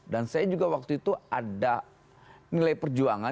dan saya juga waktu itu ada nilai perjuangan